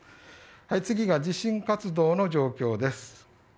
次が地震活動の状況です。